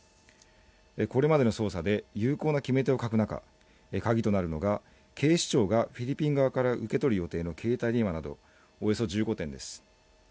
これまでの捜査で有効な決め手を欠ける中、カギとなるのが警視庁がフィリピン側から受け取る予定の携帯電話など、およそ１５点です。